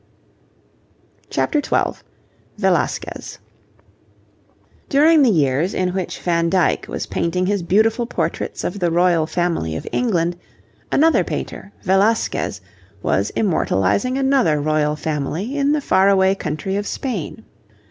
CHAPTER XII VELASQUEZ During the years in which Van Dyck was painting his beautiful portraits of the Royal Family of England, another painter, Velasquez, was immortalizing another Royal Family in the far away country of Spain.